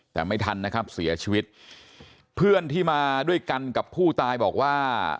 แต่ไม่ทันนะครับเสียชีวิตเพื่อนที่มาด้วยกันกับผู้ตายบอกว่า